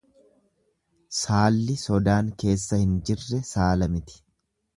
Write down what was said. Saalli sodaan keessa hin jirre saala miti.